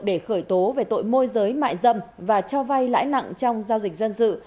để khởi tố về tội môi giới mại dâm và cho vay lãi nặng trong giao dịch dân sự